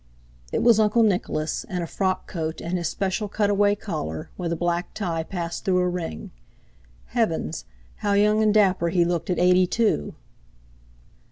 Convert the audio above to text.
It was Uncle Nicholas, in a frock coat and his special cut away collar, with a black tie passed through a ring. Heavens! How young and dapper he looked at eighty two!